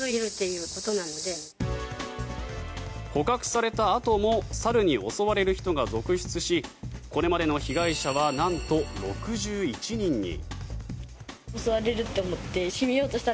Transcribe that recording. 捕獲されたあとも猿に襲われる人が続出しこれまでの被害者はなんと６１人に。